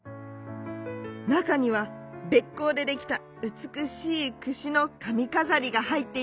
なかにはべっこうでできたうつくしいくしのかみかざりがはいっていました。